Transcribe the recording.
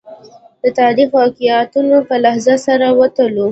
د تاریخي واقعیتونو په لحاظ سره وتلو.